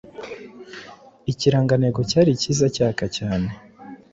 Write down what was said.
Ikirangantego cyari cyizacyaka cyane